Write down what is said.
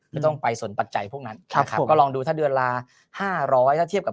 ไม่ต้องไปส่วนปัจจัยพวกนั้นครับครับก็ลองดูถ้าเดือนลาห้าร้อยถ้าเทียบกับ